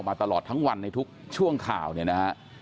ตลอดทั้งวันในทุกช่วงข่าวเนี่ยนะฮะ